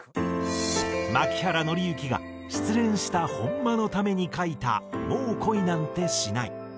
槇原敬之が失恋した本間のために書いた『もう恋なんてしない』。